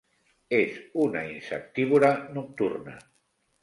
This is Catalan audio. És una insectívora nocturna.